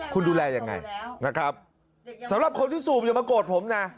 คุณดูแลยังไงนะครับสำหรับคนที่สูบอย่ามาโกรธผมนะ